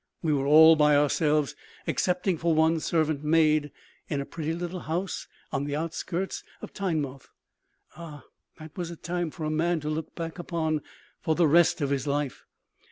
We were all by ourselves, excepting for one servant maid, in a pretty little house on the outskirts of Teignmouth. Ah! that was a time for a man to look back upon for the rest of his life.